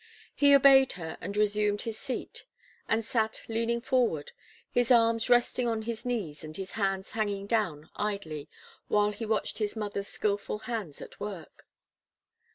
He obeyed her and resumed his seat, and sat leaning forward, his arms resting on his knees and his hands hanging down idly, while he watched his mother's skilful hands at work.